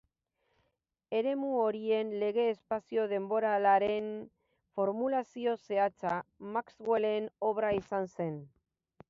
Eremu horien lege espazio-denboralen formulazio zehatza Maxwellen obra izan zen.